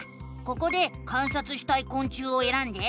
ここで観察したいこん虫をえらんで。